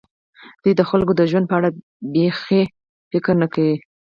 دوی د خلکو د ژوند په اړه بېڅ فکر نه کوي.